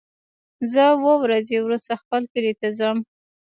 زه اووه ورځې وروسته خپل کلی ته ځم.